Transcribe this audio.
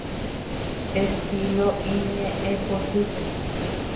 Estilo iñe'ẽpotýpe.